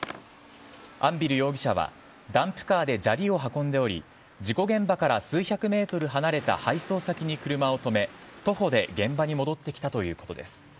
安蒜容疑者はダンプカーで砂利を運んでおり事故現場から数百ｍ離れた配送先に車を止め徒歩で現場に戻ってきたということです。